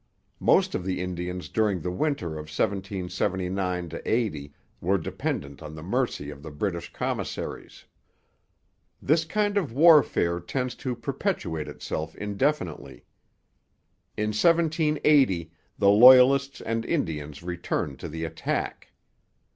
Most of the Indians during the winter of 1779 80 were dependent on the mercy of the British commissaries. This kind of warfare tends to perpetuate itself indefinitely. In 1780 the Loyalists and Indians returned to the attack.